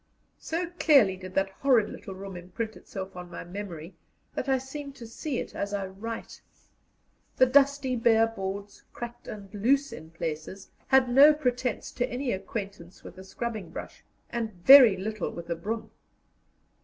So clearly did that horrid little room imprint itself on my memory that I seem to see it as I write. The dusty bare boards, cracked and loose in places, had no pretence to any acquaintance with a scrubbing brush, and very little with a broom.